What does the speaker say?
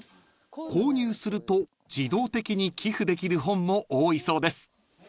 ［購入すると自動的に寄付できる本も多いそうです］